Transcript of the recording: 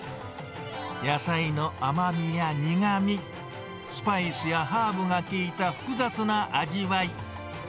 野菜の甘みや苦み、スパイスやハーブが効いた複雑な味わい。